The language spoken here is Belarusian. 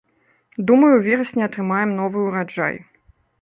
Думаю, у верасні атрымаем новы ўраджай.